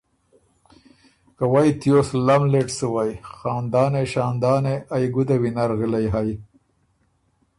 که ”وئ تیوس لملېټ سُوئ، خاندانې! شاندانې! ائ ګده وینر غلئ هئ؟“